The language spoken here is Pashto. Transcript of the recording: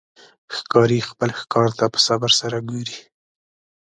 ښکاري خپل ښکار ته په صبر سره ګوري.